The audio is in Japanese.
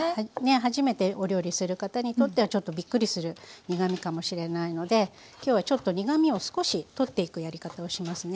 初めてお料理する方にとってはちょっとびっくりする苦みかもしれないので今日はちょっと苦みを少し取っていくやり方をしますね。